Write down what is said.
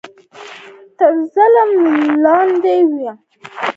تر ظلم لاندې وو